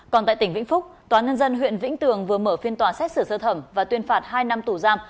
còn tại tỉnh vĩnh phúc tòa nhân dân huyện vĩnh tường vừa mở phiên tòa xét xử sơ thẩm và tuyên phạt hai năm tù giam